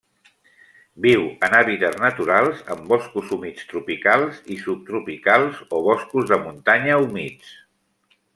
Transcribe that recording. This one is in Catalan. Viu en hàbitats naturals en boscos humits tropicals i subtropicals o boscos de muntanya humits.